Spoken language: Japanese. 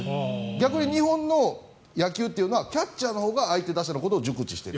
逆に日本の野球はキャッチャーのほうが相手打者のことを熟知している。